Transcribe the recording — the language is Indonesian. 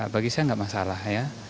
bagi saya nggak masalah ya